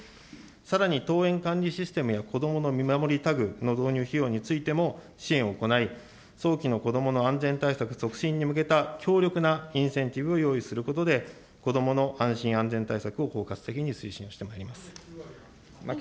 さらに登園管理システムや子どもの見守りタグの導入費用についても、支援を行い、早期の子どもの安全対策促進に向けた強力なインセンティブを用意することで、子どもの安心・安全対策を包括的に推進をしてまいります。